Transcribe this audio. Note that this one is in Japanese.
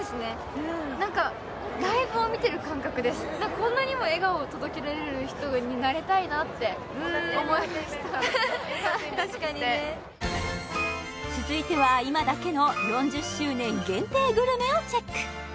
こんなにも笑顔を届けられる人になりたいなって思いましたははっ確かにね続いては今だけの４０周年限定グルメをチェック